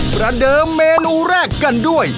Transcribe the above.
ประเดิมเมนูแรกกันด้วย